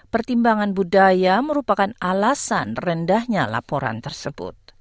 pertimbangan budaya merupakan alasan rendahnya laporan tersebut